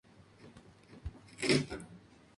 Cayó en desuso a comienzos de la Segunda Guerra Mundial.